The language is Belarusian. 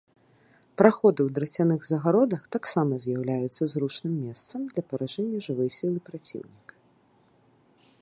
Праходы ў драцяных загародах таксама з'яўляюцца зручным месцам для паражэння жывой сілы праціўніка.